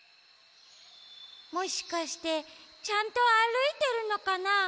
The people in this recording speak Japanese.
もしかしてちゃんとあるいてるのかな？